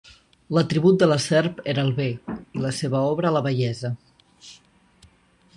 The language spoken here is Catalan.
L'atribut de la serp era el bé, i la seva obra la bellesa.